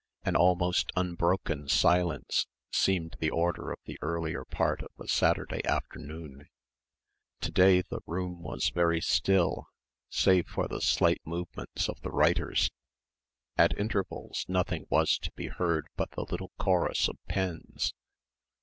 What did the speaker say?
An almost unbroken silence seemed the order of the earlier part of a Saturday afternoon. To day the room was very still, save for the slight movements of the writers. At intervals nothing was to be heard but the little chorus of pens.